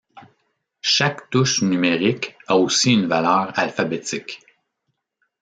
Chaque touche numérique a aussi une valeur alphabétique.